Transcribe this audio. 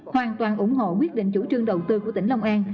hoàn toàn ủng hộ quyết định chủ trương đầu tư của tỉnh long an